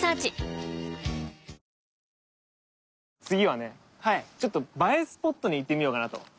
次はねちょっと映えスポットに行ってみようかなと。